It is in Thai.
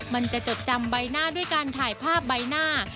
มันจะจดจำใบหน้าด้วยการถ่ายภาพใบหน้า